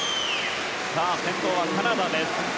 先頭はカナダです。